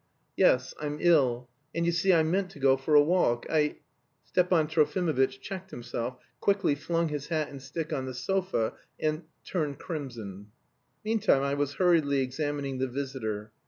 "Yes, I'm ill, and you see, I meant to go for a walk, I..." Stepan Trofimovitch checked himself, quickly flung his hat and stick on the sofa and turned crimson. Meantime, I was hurriedly examining the visitor.